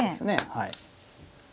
はい。